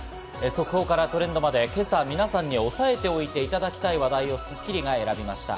速報からトレンドまで今朝、皆さんに押さえておいていただきたい話題を『スッキリ』が選びました。